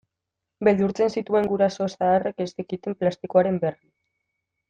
Beldurtzen zituen guraso zaharrek ez zekiten plastikoaren berri.